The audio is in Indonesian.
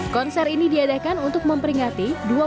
konser ini diadakan untuk memperingati